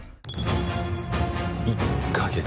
１か月。